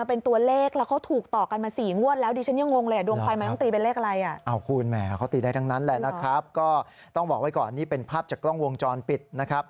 เพราะว่าชาวบ้านเขาไปตีอิทธิ์ไหนก็ไม่รู้จริง